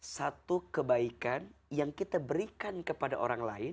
satu kebaikan yang kita berikan kepada orang lain